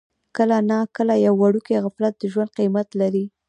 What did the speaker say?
کله ناکله یو وړوکی غفلت د ژوند قیمت لري.